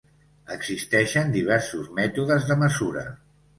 Existeixen diversos mètodes de mesura.